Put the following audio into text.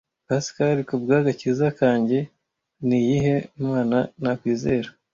pascal kubwagakiza kanjye niyihe mana nakwizera